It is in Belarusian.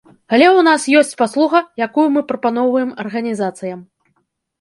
Але ў нас ёсць паслуга, якую мы прапаноўваем арганізацыям.